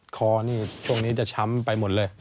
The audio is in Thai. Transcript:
คอนี่ช่วงนี้จะช้ำไปหมดเลย